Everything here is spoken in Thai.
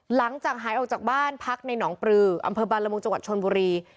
หลังจากหายออกจากบ้านพักในหนองปลืออำเภอบาลมุงจังหวัดชนบุรี